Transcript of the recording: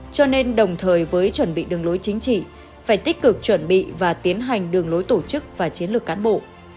cho nên đồng thời với chuẩn bị đường lối chính trị phải tích cực chuẩn bị và tiến hành đường lối tổ chức và chiến lược cán bộ